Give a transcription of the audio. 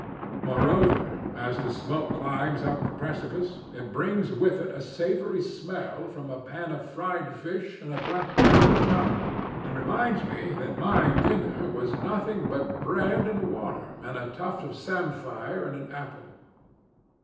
Moreover, as the smoke climbs up the precipice, it brings with it a savory smell from a pan of fried fish and a black kettle of chowder, and reminds me that my dinner was nothing but bread and water and a tuft of samphire and an apple.